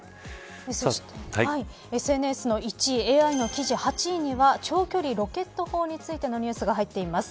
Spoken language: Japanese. そしてＳＮＳの１位ＡＩの記事の８位には長距離ロケット砲についてのニュースが入っています。